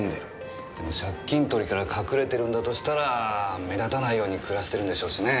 でも借金取りから隠れてるんだとしたら目立たないように暮らしてるでしょうしね。